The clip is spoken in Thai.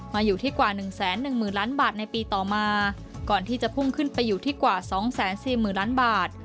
มาอยู่ที่กว่า๑๑๐๐๐ล้านบาทในปีต่อมาก่อนที่จะพุ่งขึ้นไปอยู่ที่กว่า๒๔๐๐๐ล้านบาท